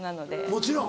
もちろん。